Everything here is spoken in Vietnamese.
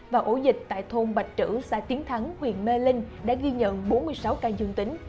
và ổ dịch tại thôn bạch trữ xã tiến thắng huyện mê linh đã ghi nhận bốn mươi sáu ca dương tính